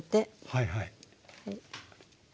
はいはい。